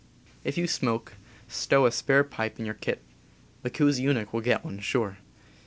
If you smoke, stow a spare pipe in your kit — the koosy oonek will get one, sure.